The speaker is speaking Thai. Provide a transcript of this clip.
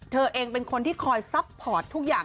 เธอเองเป็นคนที่คอยซัพพอร์ตทุกอย่าง